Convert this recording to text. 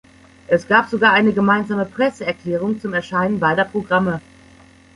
Es gab sogar eine gemeinsame Presseerklärung zum Erscheinen beider Programme.